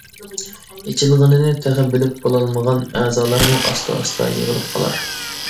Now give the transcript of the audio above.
ئېچىلغىنىنى تېخى بىلىپ بولالمىغان ئەزالارمۇ ئاستا-ئاستا يىغىلىپ قالار.